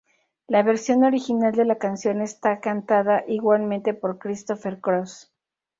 La versión original de la canción está cantada igualmente por Christopher Cross.